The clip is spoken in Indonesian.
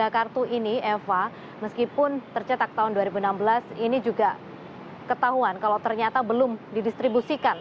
tiga kartu ini eva meskipun tercetak tahun dua ribu enam belas ini juga ketahuan kalau ternyata belum didistribusikan